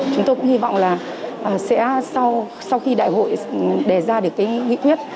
chúng tôi cũng hy vọng là sẽ sau khi đại hội đề ra được cái nghị quyết